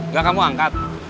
biar kamu angkat